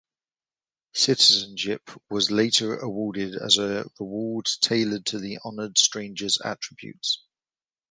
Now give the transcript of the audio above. Citizenship was later awarded as a reward tailored to the honored strangers' attributes.